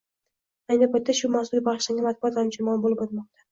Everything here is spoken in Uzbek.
Ayni paytda shu mavzuga bagʻishlangan matbuot anjumani boʻlib oʻtmoqda.